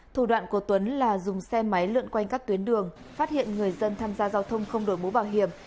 thủ đoạn của tuấn là dùng xe máy lượn quanh các tuyến đường phát hiện người dân tham gia giao thông không đổi mũ bảo hiểm